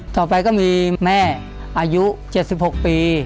ต่อไปก็มีแม่อายุเจ็บสิบหกปี